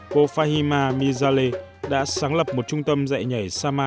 cô fahima mizale đã sáng lập một trung tâm dạy nhảy sama